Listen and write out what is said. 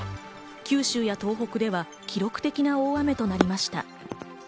九州や東北では記録的な大雨となりました。